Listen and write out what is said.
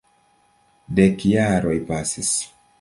Dek jaroj pasis.